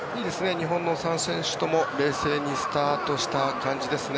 日本の３選手とも冷静にスタートした感じですね。